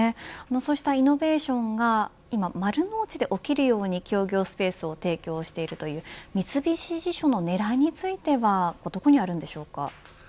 そうしたイノベーションが今、丸の内で起きるように協業スペースを提供しているという三菱地所の狙いについてはどこにあるんでしょうか。